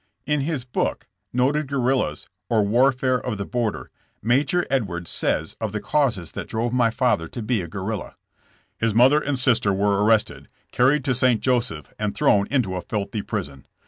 In his book, "Noted Guerrillas, or Warfare of the Border," Major Edwards says of the causes that drove my father to be a guerrilla: "His mother and sister were arrested, carried to St. Joseph and thrown into a filthy prison.